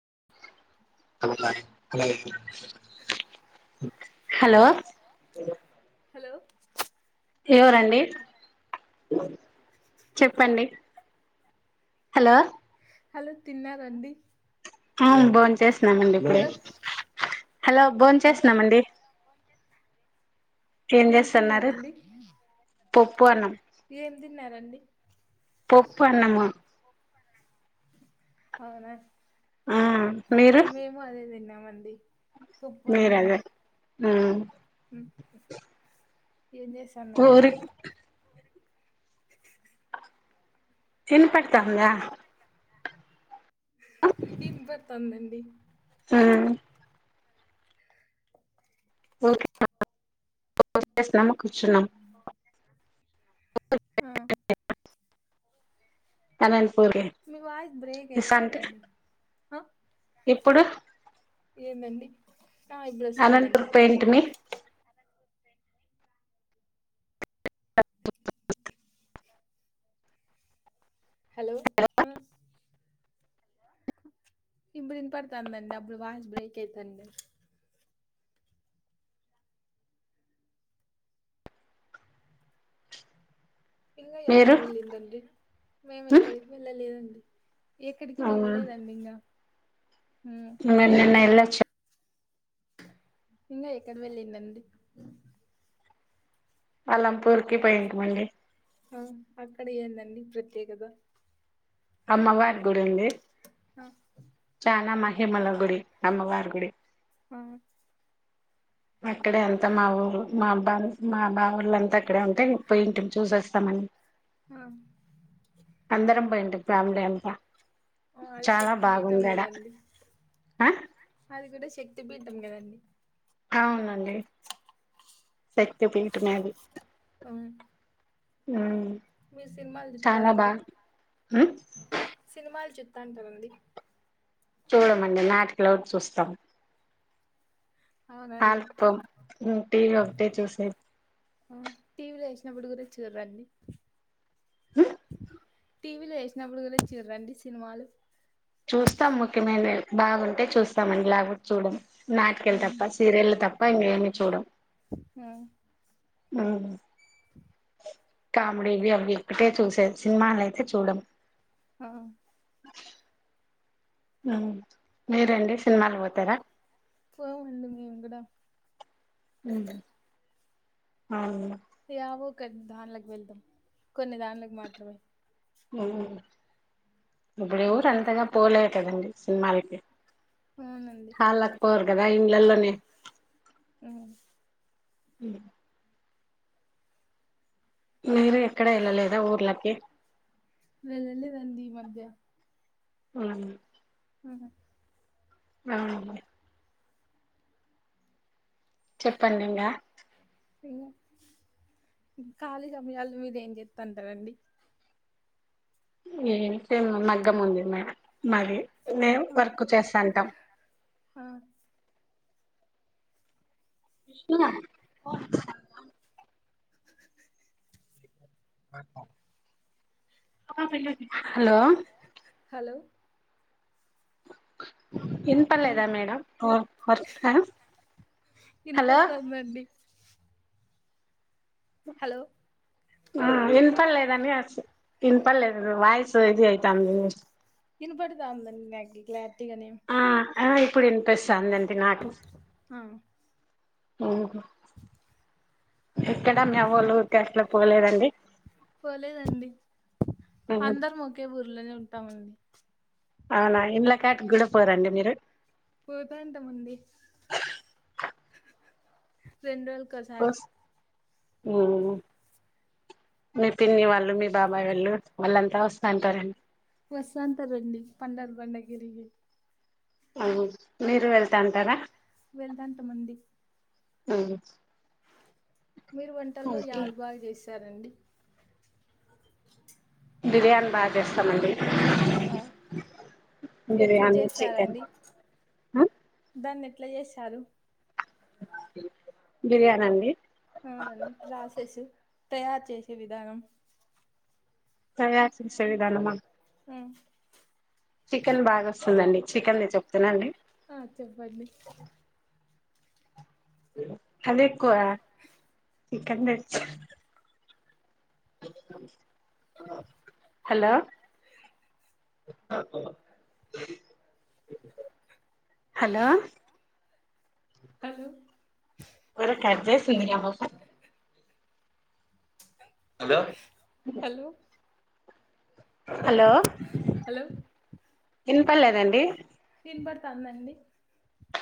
[unintelligible] Hello hello ఎవరండి చెప్పండి hello hello తిన్నా రడి బా చేస్త చ్చినామండి ఇప్పుడే హలో బోం ఆ చేస్తున్నామండి ఏం చేస్తున్నారు తిన్నారండి పప్పు అన్నం ఏం తిన్నారండి పోప్పు అన్నం అవునా ఆ మీరు మేము అదే తిన్నాం మండి పప్పు అన్నమే హ్మ్ హ్మ్ ఏం ఊరి చేస్తాన్నరండి వినపడుతాంద ఇన్ బడతాంది డి హ్మ్ [unintelligible] కుచ్చునాం [inaudible] ఆ [unintelligible] మీ వాయి బ్రేక్ అయితాండి ఆ ఇప్పుడు ఏందండి ఆ ఇప్పుడు అనంతపుర్ వస్తాందండి పొయింటి మీ హలో ఇప్పుడున్ పడుతానండి అప్పుడు వాయిస్ బ్రేక్ అయితండి ఇంకా ఎక్కడ మీరు వెళ్ళింరండ్రి మేము ఉమ్ ఎక్కడికి వెళ్ళలేదండి అలి ఎక్కడికి వెళ్ళలేదండి ఇంకా మేం నిన్నెల్లొచ్చాం ఇంకా ఎక్కడ వెళ్ళింరండ్రి అలంపూర్కి పోయింటిమండి ఆ అక్కడ ఏందండి ప్రత్యేకత అమ్మవా గుడి ఉంది ఆ చాలా మహి హిమల గుడి అమ్మవార్ గుడి ఆ అక్కడే అంతా మా ఊ మా అబ్బా మా బా వాళ్ళంతా అక్కడే ఉంటే పోయి ఇంటి చూసేస్తామని ఆ పోయింటిమి ఫ్యామిలీ అంత ఆఓ అది శక్తి పీఠం గదండి ఆ అది కూడా శక్తి పిటాం కదండి అ అవునండి శక్తి పీఠమే అది అ ఉ మీరు సినిమాలు చెప్తారండి ఉమ్ సినిమాలు చు ఎ అంటారండి చూడమండి నాటికిలడ్ చూస్తాం. అవునండి హల్ టీవీ ఒకటే చూసేది ఆ టీవీలో వేసినప్పుడు కూడార చూరండి టీవీలో వేసినప్పుడు గురించి రండి సినిమాలు. చూస్తాం ముఖ్యమైన బాగుంటే చూస్తామండి లేకుంటే. చూడం నాట్కెలు తప్ప సీరియల్ తప్ప పైని చూడం అ ఆ కామెడీ ఇవి అవి ఇక్కటే చూసే సినిమాలు అయితే చూడం. ఆ మీరండి సినిమాలు పోతారా పోమడింది మీము కూడా అవును యావో కొద్ద దాన్కి వెళ్దాం కొన్ని దాన్లకు మాత్రమే. అ ఇప్పుడే ఉమ్. ఊరు అంతంగా పోలే కదండి సినిమాలకి అవునండి అదా ఇండ్లలోనే అ అ మీరు ఎక్కడ వెళ్ళలేదా ఊర్లకి వెళ్ళళదండి ఈ మధ్య అవునా ఆ ఆవును చెప్పండి ఇంకా ఇకా ఖాళీ సమయాలు మీద ఏం చేస్తా అంటారండి ఏం సేమ్ మగ్గం ఉంది మేడం మరి మే ఆ! వర్క్ చేస్తా అంటాం ఆ నా హలో హలో హ్మ్. వినిపర్లేదా మేడం హలో ఇనపడుతోందండి. హలో వినపర్లేదని అ వినపర్లేదుం వాయిసు ఇది అవుతుంది ఇని పడుదా అందనిగ కల పటిగానే ఆ ఆ ఇప్పుడు వినిపిస్తా అంది. పె నాట ఆ! అఓ ఎక్కడ మీ అవ్వాలా కి ఉరికి పోలేదండి పోలేదండి అందర మొకే ఊర్లో నే ఉంటాం తమింది అవునా ఎం కాట కూడా పోరండి మీరు పోతా రెండు రోజులకు సారి మీ పిన్ని వాళ్ళు మీ బాబాయ్ వాళ్ళు వాళ్ళంతా వస్తాంటారండి. వస్తంత రండి పండారు బండగిరికి అవు మీరు వెళ్తా అంటారా. వెళ్దంతమంది అ మీరు వంటల్లో యాజ బాగా చేసి సరే అండి బిర్యానీ బాగా చేస్తామండి. ఆ ఎట్లు బిర్యానీ చికెన్ చేశారండి దాన్ని ఎట్లా చేస్తారు బిర్యానీ అండి అవునండి ప్రోసేసు తయారు చేస విధానం తయారు చేసే విధానమా. ఆ చికెన్ బాగా వస్తుందండి చికెన్ నే చెప్తున్నా అండి ఆ చెప్పండి అద ఎకు చికన్ మర్చ హలో హలో హలో కద శూన్యము హలో హలో హలో హలో వినపడలేదు అండి కందండి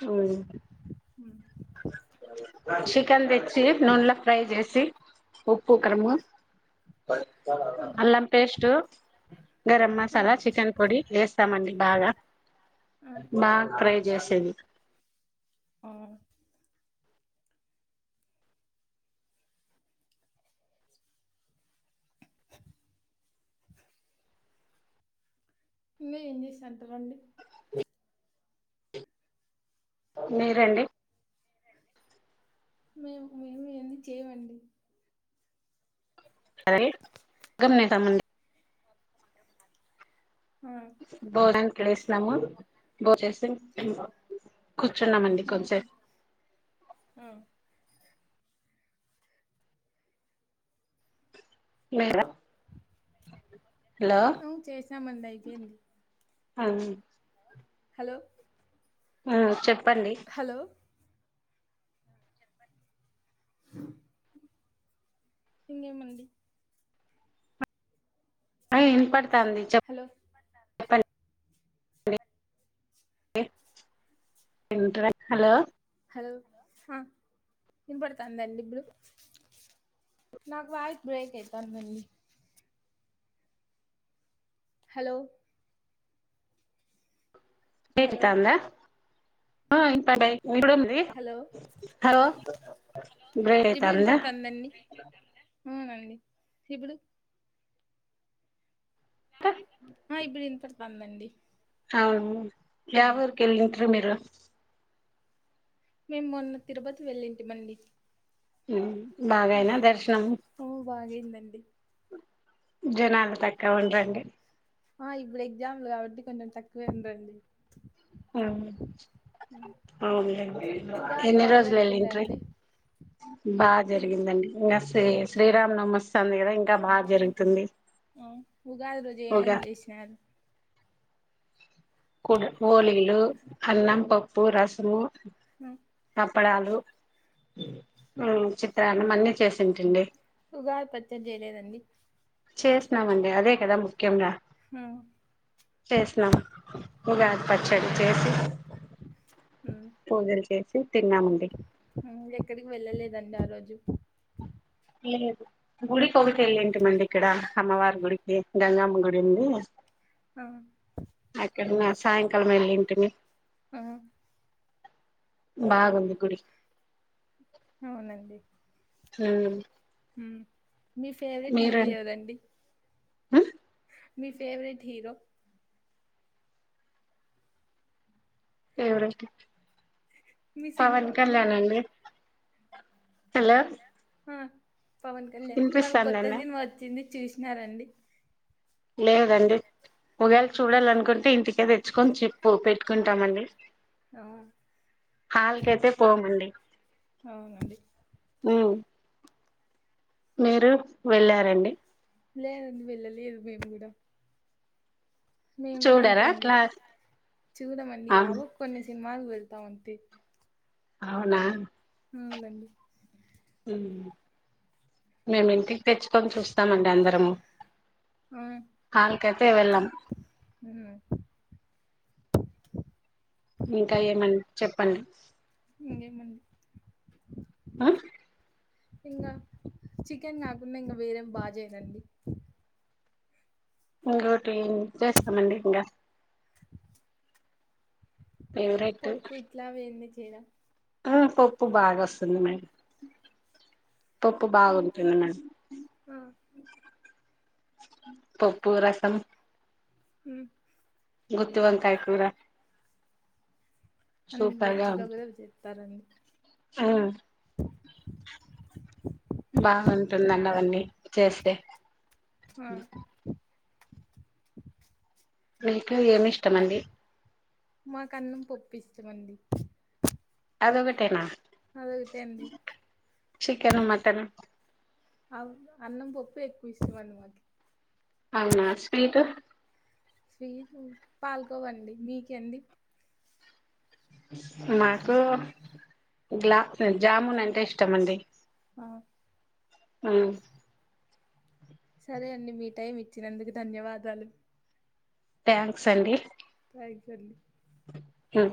మ్మ్ తెచ్చి నూనెలో ఫ్రై చేసి ఉప్పు కరము ఆ అల్లం పేస్ట్ గరం ఆ మసాలా చికెన్ పొడి వేస్తామండి బాగా ఆ బాగా ఫ్రై చేసే ఆ ఇంకా ఏం చే సెంటర్ అండి మీరండి మేము మేము ఏన్ని చేయవండి సరే గమ నతముంది ఆ బో ఇక్కడ వేస్తుినాము బోసి కూర్చున్నామండి ఆ కొంచెసేపు ఆ మేడం అ చేసామంది అయిపోయింది అ హలో ఆ చెప్ప హలో ఇంకేమండి అ ఇ పటి చెప్ హలో హలో హలో ఇన్నపడతండి అండి ఇప్పుడు నాకు వాయిస్ బ్రేక్ అవుతాంది హలో కేంటి హలో త అందా ఆ ఇంతడే ఇప్పుడ హలో హలో బ్రేక్ ఇప్పుడు అయితాందా వినబాడతంద అండి అవునండి ఇప్పుడు అ ఆ ఇప్పుడు ఇంతటి పందండి అవును వఊర్కెలింతీ మీరు మేము మొన్న తిరుపతి వెళ్ళింటి మళీ హ బాగాయినా దర్శనం బాగాయిందండి జనాలు తక్కువ ఉండండి ఆ ఇప్పుడు ఎగ్జామ్లు కాబట్టి కొంచెం తక్కువేండ రండి అవునులేండి ఉగాది ఎన్ని బాగా రోజులు వెళ్ళంట్ర జరుపుకున్నారండి బాగా జరిగిందండి శ్ర శ్రీరామ్ నమస్ంది కదా ఇంకా బాగా జరుగుతుంది ఆ ఉగాది రోజు ఉగా ఏమేమి చేసినారు కు ోలీలు అన్నం పప్పు రసము మ అప్పడాలు చిత్రాన్నం అన్నీ చేసింటండి ఉగాత్పత్యం చేయలేదండి చేస్తున్నామండి అదే కదా ముఖ్య రా చేస్తినం ఉగాది పచ్చడి చేసి పూజలు చేసి తిన్నామండి ఎక్కడికి వెళ్ళలేదు రంట రోజు గుడికి ఒకటి వెళ్ళింటిమండి ఇక్కడ అమ్మవారి గుడికి గంగామ్మ గుడి ఉంది అక్కడన్నా సాయంకాలం వెళ్ళింటిని ఆ బా గుందు గుడి అవునండి హ హ మీ ఫేవరెట్ ఇవీ ఎవదండి హీరో? ఎవరుైతే మీ పవన్ సినిమా మీ కళ్యాణ అండి హలో ఆ పవన్ కళ్యాణ్ మళ్ళ కొత్త వినిపిస్తాందండి సినిమా వచ్చింది చూసినారంండి లేదండి ముగాలు చూడాల అనుకుంటే ఇంటికే తెచ్చుకొని చెప్పు పెట్ పెట్టుకుంటామండి ఆ! హాల్కైతే పోమండి అవునండి. ఆ మీరు వెళ్ళారంండి లేదండి వెళ్ళలేదు మేము కూడా మేము కూడా అంతే చూడరా అండి క్లాస్ చూదామండి అవును యావో కొన్ని సినిమాలు వెళ్తా ఉంతి అవునా అవునండి మేమింటిక్ తెచ్చుకొని చూస్తామండి అందరము ఆ! హల్కౖతె వెళ్లం హ్మ్. ఇంకా ఏమన్న చెప్పండి [inaudible] ఇంగా చికెన్ కాకుండా ఇంకా వేరేం బాగాజెసరండి ఇంకోటి చేస్తామండి ఇంగా ఫేవరెట్ పప్పు ఇట్లా వెేన్నెచ ఏద ఆ పప్పు బాగా వస్తుంది మేం పప్పు బాగుంటుంది మేం ఆహ్ పప్పు రసం హ్మ్ గుత్తి వంకయకుర అన్ని వెజ్జ్లో కుడా చెత్ పరంద్ హ్మ్ బాగుంటుంది అండి అవన్నీ చేస్తే ఆ మీకు ఏమిష్టమండి మా కన్నం పప్పిస్తమండి అద ఒకటేనా అదొకటె అండి చికెను మటను అవున్ అన్నం పప్పె ఎక్కువ ఇష్టం అన్నవ్ అవునా స్వీటు స్వీట్ పాల్కొవండి మీకంది మాకు గ్లాస్ జాముూన్ అంటే ఇష్టమండి ఆ హ్మ్ సరే అండి మీ టైం ఇచ్చినందుకు ధన్యవాదాలు థ్యాంక్స్ అండి థంక్స్ అండి హ